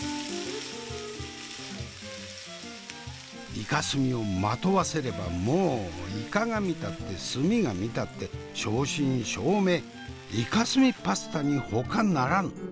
イカスミを纏わせればもうイカが見たってスミが見たって正真正銘イカスミパスタにほかならぬ。